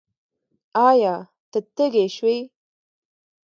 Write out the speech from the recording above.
ایا؛ ته تږی شوی یې؟